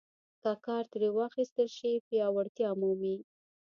که کار ترې واخیستل شي پیاوړتیا مومي.